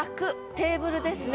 テーブルですね。